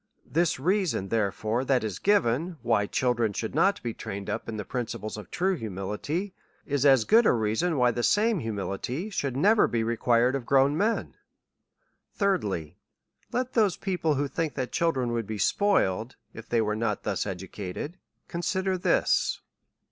This reason therefore that is given, why children should not be trained up in the principles of true hu mility, is as good a reason why the same humility should never be required of grown men. Thirdli/, Let those people, who think that children would be spoiled, if they were not thus educated, con sider this.